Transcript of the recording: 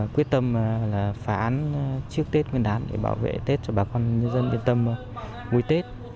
quyết tâm phản án trước tết nguyên đán để bảo vệ tết cho bà con nhân dân yên tâm mùi tết